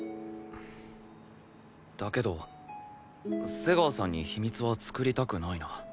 だけど瀬川さんに秘密は作りたくないな。